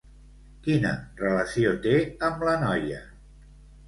Quina relació té amb la noia?